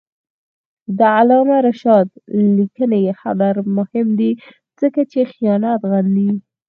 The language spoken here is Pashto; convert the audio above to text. د علامه رشاد لیکنی هنر مهم دی ځکه چې خیانت غندي.